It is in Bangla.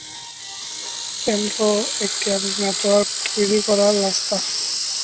কেন্দ্র একটি একক নেটওয়ার্ক তৈরি করার রাস্তা।